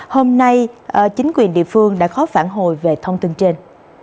hôm nay chính quyền địa phương đã có phản hồi về thông tin trên